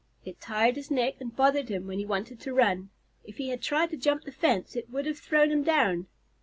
It tired his neck and bothered him when he wanted to run. If he had tried to jump the fence, it would have thrown him down.